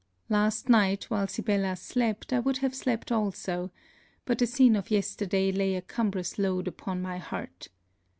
Last night, while Sibella slept, I would have slept also, but the scene of yesterday lay a cumbrous load upon my heart.